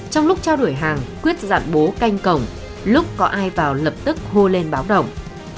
trong lúc trao đổi hàng quyết dạng bố canh cổng lúc có ai vào lập tức hô lên báo động